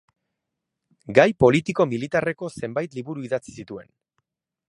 Gai politiko-militarreko zenbait liburu idatzi zituen.